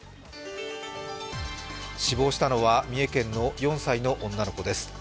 死亡したのは、三重県の４歳の女の子です。